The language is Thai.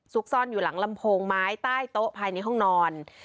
ซ่อนอยู่หลังลำโพงไม้ใต้โต๊ะภายในห้องนอน